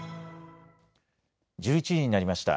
１１時になりました。